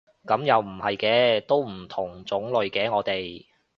噉又唔係嘅，都唔同種類嘅我哋